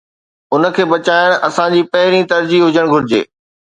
ان کي بچائڻ اسان جي پهرين ترجيح هجڻ گهرجي.